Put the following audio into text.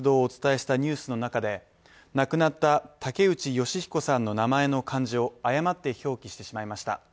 お伝えしたニュースのなかで亡くなった竹内善彦さんの名前の漢字を誤って表記してしまいました。